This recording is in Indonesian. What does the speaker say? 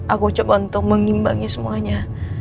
aku coba untuk mengimbangi semuanya